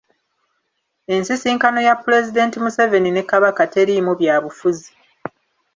Ensisinkano ya Pulezidenti Museveni ne Kabaka teriimu byabufuzi.